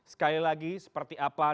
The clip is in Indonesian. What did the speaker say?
sekali lagi seperti apa